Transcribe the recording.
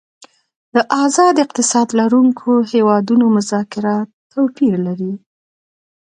د آزاد اقتصاد لرونکو هیوادونو مذاکرات توپیر لري